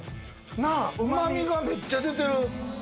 うま味がめっちゃ出てる。